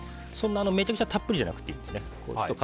めちゃくちゃたっぷりじゃなくていいです。